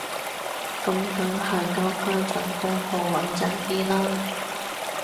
噉梗係交返份功課穩陣啲啦